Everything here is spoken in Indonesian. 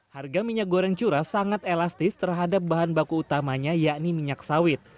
harga minyak goreng curah sangat elastis terhadap bahan baku utamanya yakni minyak sawit